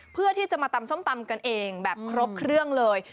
เพื่อที่จะมาตำส้มตำกันเองแบบครบเครื่องเลย